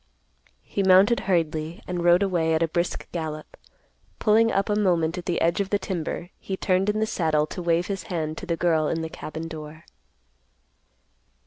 He mounted hurriedly and rode away at a brisk gallop. Pulling up a moment at the edge of the timber, he turned in the saddle to wave his hand to the girl in the cabin door.